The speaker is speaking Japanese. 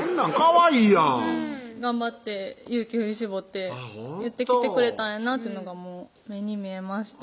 かわいいやん頑張って勇気振り絞って言ってきてくれたんやなってのが目に見えました